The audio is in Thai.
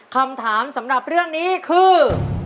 คำถามสำหรับเรื่องนี้คือ